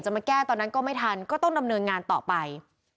มาแก้ตอนนั้นก็ไม่ทันก็ต้องดำเนินงานต่อไป